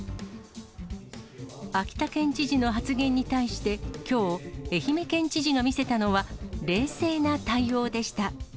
秋田県知事の発言に対して、きょう、愛媛県知事が見せたのは、冷静な対応でした。